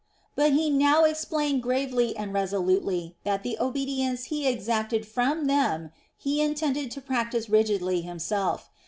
But he now explained gravely and resolutely that the obedience he exacted from them he intended to practise rigidly himself.